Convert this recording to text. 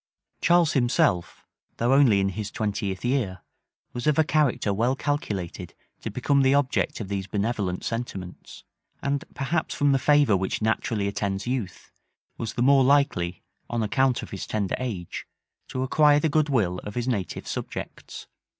Charles himself, though only in his twentieth year, was of a character well calculated to become the object of these benevolent sentiments; and perhaps from the favor which naturally attends youth, was the more likely, on account of his tender age, to acquire the good will of his native subjects.